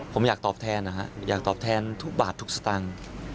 ผมอยากตอบแทนนะฮะอยากตอบแทนทุกบาททุกสตางค์